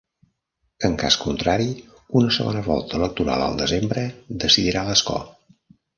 En cas contrari, una segona volta electoral al desembre decidirà l'escó.